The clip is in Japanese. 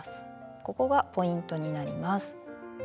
ここがポイントになります。